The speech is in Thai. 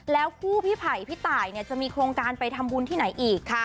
แล้วคู่พี่ไผ่พี่ตายจะมีโครงการไปทำบุญที่ไหนอีก